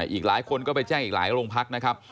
อีกหลายคนก็ไปแจ้งอีกหลายโรงพักนะครับ